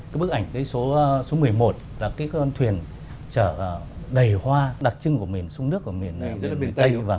cái bức ảnh số một mươi một là cái con thuyền chở đầy hoa đặc trưng của miền xuân đức miền tây